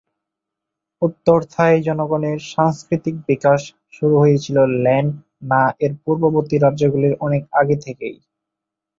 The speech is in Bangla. উত্তর থাই জনগণের সাংস্কৃতিক বিকাশ শুরু হয়েছিল ল্যান না-এর পূর্ববর্তী রাজ্যগুলির অনেক আগে থেকেই।